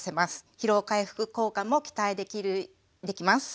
疲労回復効果も期待できます。